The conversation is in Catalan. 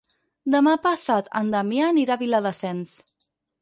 Demà passat en Damià anirà a Viladasens.